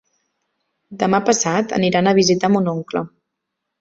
Demà passat aniran a visitar mon oncle.